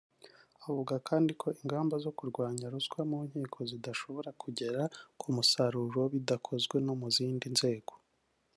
Avuga kandi ko ingamba zo kurwanya ruswa mu nkiko zidashobora kugera ku musaruro bidakozwe no mu zindi nzego